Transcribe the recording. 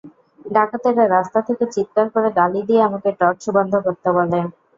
ডাকাতেরা রাস্তা থেকে চিৎকার করে গালি দিয়ে আমাকে টর্চ বন্ধ করতে বলে।